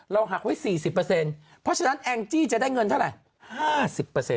หักไว้๔๐เพราะฉะนั้นแองจี้จะได้เงินเท่าไหร่๕๐